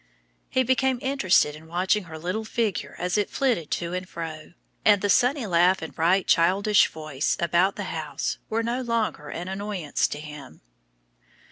He became interested in watching her little figure as it flitted to and fro, and the sunny laugh and bright childish voice about the house were no longer an annoyance to him.